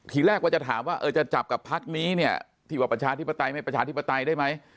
ทีแรกว่าจะถามว่าเออจะจับกับพักนี้เนี่ยที่ว่าประชาธิปไตยไม่ประชาธิปไตยได้ไหม